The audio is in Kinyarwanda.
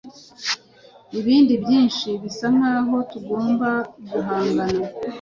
ibindi byinshi bisa nkaho tugomba guhangana